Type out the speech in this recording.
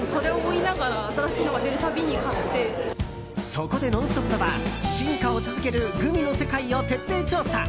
そこで「ノンストップ！」は進化を続けるグミの世界を徹底調査。